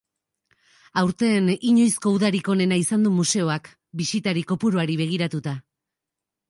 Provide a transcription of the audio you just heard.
Aurten, inoizko udarik onena izan du museoak, bisitari kopuruari begiratuta.